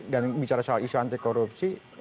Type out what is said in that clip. bicara soal isu anti korupsi